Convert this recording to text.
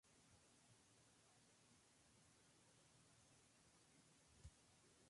Es importante destacar que el nivel de aprendizaje en las escuelas-Lancaster-Bell fue muy baja.